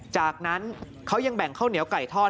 จากนั้นเขายังแบ่งข้าวเหนียวไก่ทอด